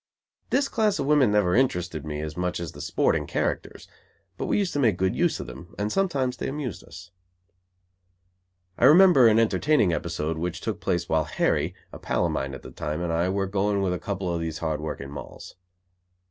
This class of women never interested me as much as the sporting characters, but we used to make good use of them; and sometimes they amused us. I remember an entertaining episode which took place while Harry, a pal of mine at the time, and I, were going with a couple of these hard working Molls.